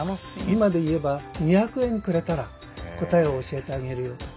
今で言えば２００円くれたら答えを教えてあげるよと。